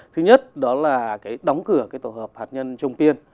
thứ nhất đó là cái đóng cửa cái tổ hợp hạt nhân trung tiên